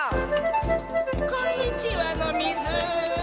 こんにちはのミズ。